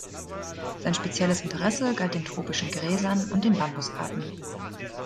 Sein spezielles Interesse galt den tropischen Gräsern und den Bambus-Arten.